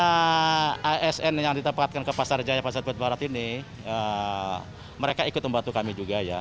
karena asn yang ditempatkan ke pasar jaya pasar buat barat ini mereka ikut membantu kami juga ya